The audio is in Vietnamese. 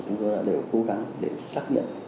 chúng tôi đã đều cố gắng để xác nhận